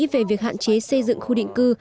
về việc hạn chế xây dựng khu định cư